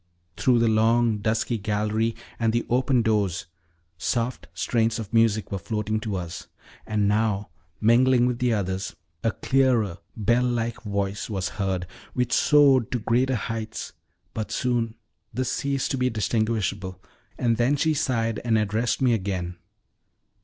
Through the long, dusky gallery and the open doors soft strains of music were floating to us, and now, mingling with the others, a clearer, bell like voice was heard, which soared to greater heights; but soon this ceased to be distinguishable, and then she sighed and addressed me again.